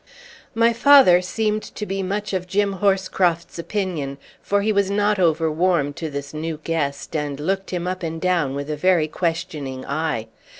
My father seemed to be much of Jim Horscroft's opinion; for he was not over warm to this new guest and looked him up and down with a very questioning eye.